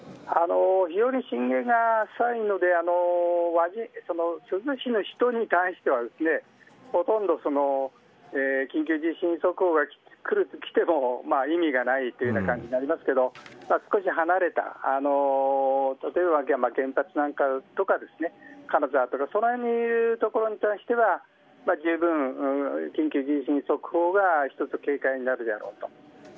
非常に震源が浅いので珠洲市の人に対してはですねほとんど緊急地震速報が来ても意味がないというような感じになりますけど少し離れた例えば原発なんか金沢とかその辺りにいる人に対してはじゅうぶん緊急地震速報が一つ警戒になるであろうと。